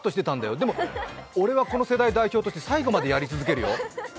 でも俺は、この世代代表として最後までやり続けるよ。